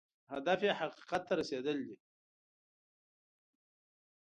هدف یې حقیقت ته رسېدل دی.